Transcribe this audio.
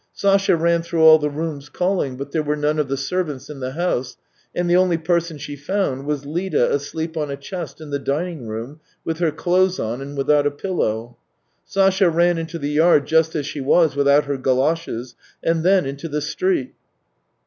Sasha ran through all the rooms calling, but there were none of the servants in the house, and the only person she found was Lida asleep on a chest in the dining room with her clothes on and without a pillow. Sasha ran into the yard just as she was without her goloshes, and then into the street.